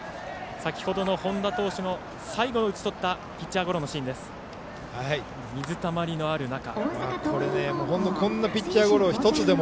先ほどの本田投手の最後を打ち取ったピッチャーゴロのシーンです。